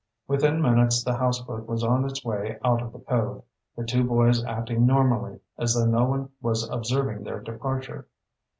Within minutes the houseboat was on its way out of the cove, the two boys acting normally, as though no one was observing their departure.